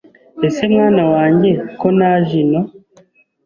Ese mwana wanjye ko naje ino